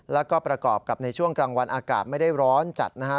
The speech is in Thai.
แล้วก็ประกอบกับในช่วงกลางวันอากาศไม่ได้ร้อนจัดนะฮะ